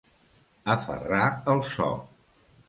Aferrar el so.